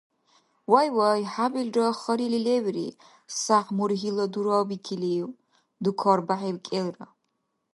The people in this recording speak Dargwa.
– Вай-вай, хӀябилра харили леври, сяхӀ мургьила дурабикилив? – дукарбяхӀиб кӀелра.